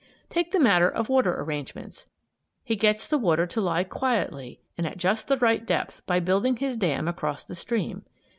Take the matter of water arrangements. He gets the water to lie quietly and at just the right depth by building his dam across the stream.